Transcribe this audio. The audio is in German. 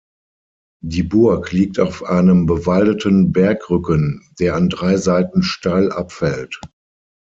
Die Burg liegt auf einem bewaldeten Bergrücken, der an drei Seiten steil abfällt.